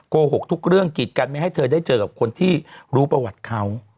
โกหกทุกเรื่องกิจกันไม่ให้เธอได้เจอกับคนที่รู้ประวัติเขา